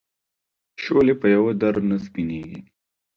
شولې په یوه در نه سپینېږي.